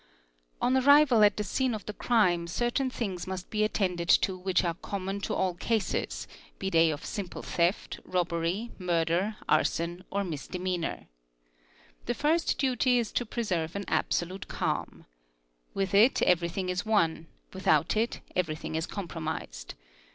—160 , On arrival at the scene of the crime certain things must be attended — to which are common to all cases, be they of simple theft, robbery, murder, arson, or misdemeanour. The first duty is to preserve an absolute calm. With it everything is won, without it everything is" compromised.